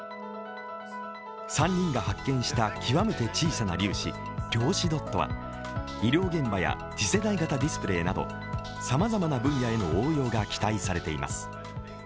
３人が発見した極めて小さな粒子量子ドットは医療現場や次世代型ディスプレーなどさまざまな分野への応用が期待されています。